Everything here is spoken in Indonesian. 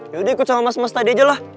yaudah ikut sama mas mas tadi aja lah